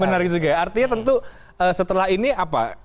menarik juga ya artinya tentu setelah ini apa